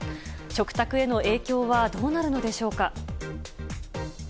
食卓への影響はどうなるのでしょうか。